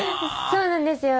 そうなんですよ。